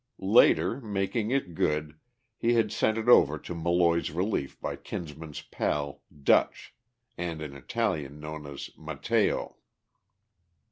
Later, making it good, he had sent it over to Molloy's relief by Kinsman's pal, "Dutch," and an Italian known as "Matteo."